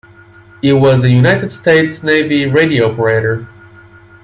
He was a United States Navy radio operator.